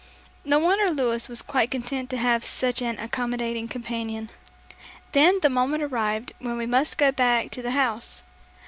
No wonder Louis was quite content to have such an accommodating companion! Then the moment arrived when we must go back to the house.